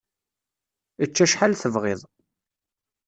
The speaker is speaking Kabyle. Ečč acḥal tebɣiḍ.